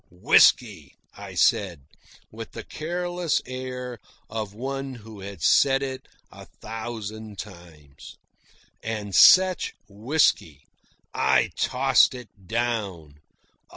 "Whisky," I said, with the careless air of one who had said it a thousand times. And such whisky! I tossed it down.